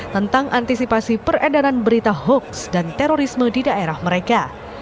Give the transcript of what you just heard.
tentang antisipasi peredaran berita hoaks dan terorisme di daerah mereka